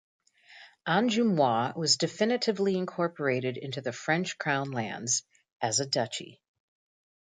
Angoumois was definitively incorporated into the French crown lands, as a duchy.